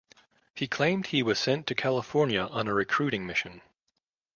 He claimed he was sent to California on a recruiting mission.